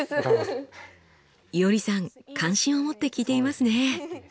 いおりさん関心を持って聞いていますね！